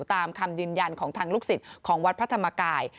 ตามคำยืนยันของทางลูกศิษย์ของวัดพระธรรมกาย